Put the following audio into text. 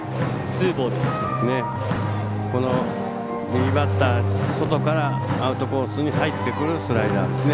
右バッター外からアウトコースに入ってくるスライダーですね。